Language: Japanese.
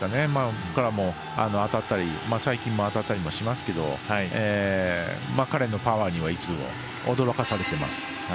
僕も当たったり最近も当たったりしますけれども彼のパワーにはいつも驚かされてます。